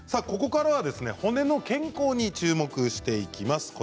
ここからは骨の健康に注目していきます。